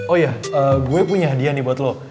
oh ya gue punya dia nih buat lo